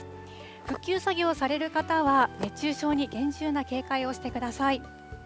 復旧作業をされる方は熱中症に厳重な警戒をしてください。